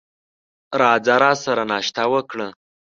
راځه راسره ناشته وکړه !